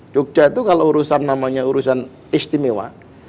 jogja itu kalau urusan namanya urusan istimewa